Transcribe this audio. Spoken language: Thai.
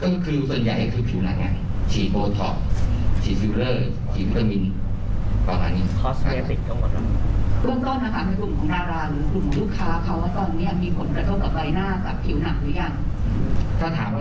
วุฒิพรุ่งนี้เขาก็รับว่า